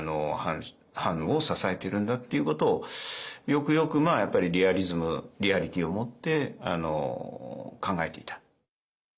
藩を支えてるんだっていうことをよくよくやっぱりリアリズムリアリティーをもって考えていた。